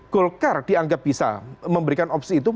golkar dianggap bisa memberikan opsi itu